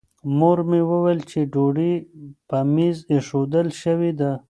مور مې وویل چې ډوډۍ په مېز ایښودل شوې ده.